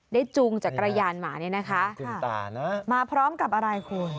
จูงจักรยานมาเนี่ยนะคะมาพร้อมกับอะไรคุณ